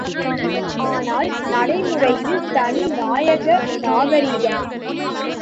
ஆனால், நடைமுறையில் தனி நாயக நாகரிகம்!